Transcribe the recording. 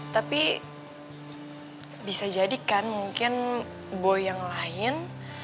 tapi bisa jadi kan mungkin boy yang lain